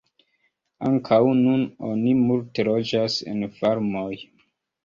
Ankaŭ nun oni multe loĝas en farmoj.